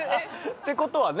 ってことはね。